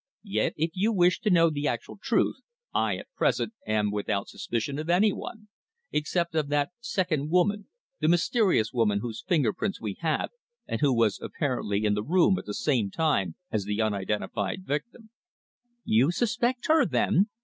"Yet, if you wish to know the actual truth, I, at present, am without suspicion of anyone except of that second woman, the mysterious woman whose finger prints we have, and who was apparently in the room at the same time as the unidentified victim." "You suspect her, then?"